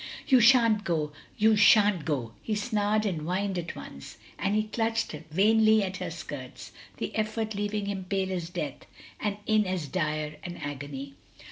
"You shan't go! You shan't go!" he snarled and whined at once. And he clutched vainly at her skirts, the effort leaving him pale as death, and in as dire an agony.